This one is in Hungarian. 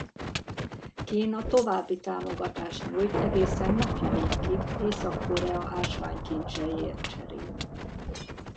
Kína további támogatást nyújt egészen napjainkig Észak-Korea ásványkincseiért cserébe.